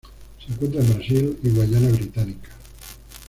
Se encuentra en Brasil y Guayana Británica.